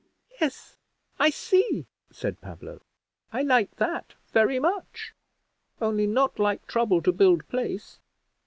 "Yes, I see," said Pablo. "I like that very much; only not like trouble to build place."